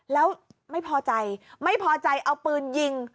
แล้วไม่พอใจไม่พอใจเอาปืนยิง